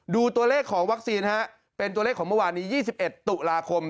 ดูตัวเลขของวัคซีนเป็นตัวเลขของเมื่อวานนี้๒๑ตุลาคม